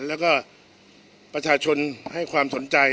แล้วก็ประชาชนให้ความสนใจ